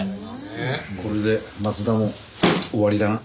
これで松田も終わりだな。